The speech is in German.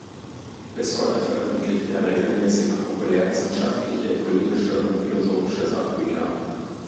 Bis heute veröffentlicht er regelmäßig populärwissenschaftliche politische und philosophische Sachbücher.